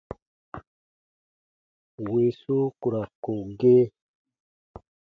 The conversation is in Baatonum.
Weesu ku ra ko gee.